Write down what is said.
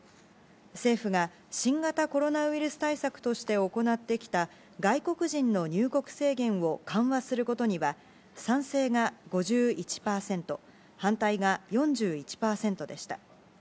政府が、新型コロナウイルス対策として行ってきた、外国人の入国制限を緩和することには、賛成が５１％、反対が４１％でした。